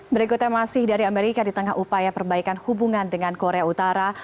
berikutnya masih dari amerika di tengah upaya perbaikan hubungan dengan korea utara